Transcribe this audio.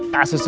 kak susul gue